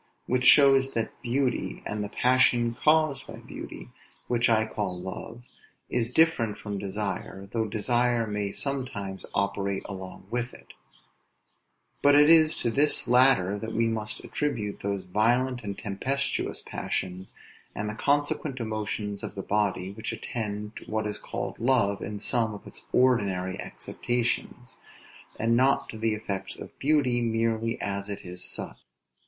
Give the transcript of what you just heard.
Which shows that beauty, and the passion caused by beauty, which I call love, is different from desire, though desire may sometimes operate along with it; but it is to this latter that we must attribute those violent and tempestuous passions, and the consequent emotions of the body which attend what is called love in some of its ordinary acceptations, and not to the effects of beauty merely as it is such.